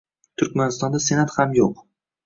Turkmanistonda Senat ham yo'q